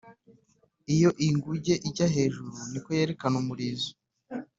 iyo inguge ijya hejuru, niko yerekana umurizo.